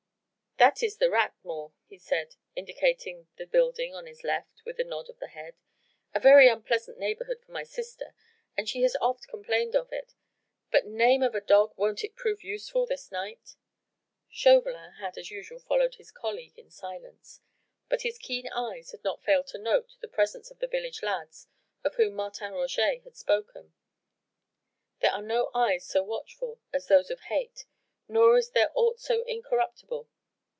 "That is the Rat Mort," he said, indicating the building on his left with a nod of the head. "A very unpleasant neighbourhood for my sister, and she has oft complained of it but name of a dog! won't it prove useful this night?" Chauvelin had as usual followed his colleague in silence, but his keen eyes had not failed to note the presence of the village lads of whom Martin Roget had spoken. There are no eyes so watchful as those of hate, nor is there aught so incorruptible.